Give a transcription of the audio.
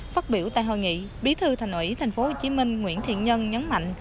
phát biểu tại hội nghị bí thư thành ủy tp hcm nguyễn thiện nhân nhấn mạnh